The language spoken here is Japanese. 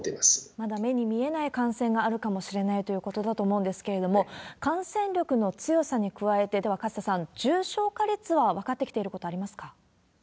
まだ目に見えない感染があるかもしれないということだと思うんですけれども、感染力の強さに加えて、では勝田さん、重症化率は分かってきていることありますか？